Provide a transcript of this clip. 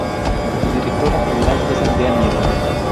Su directora general es Andrea Nieto.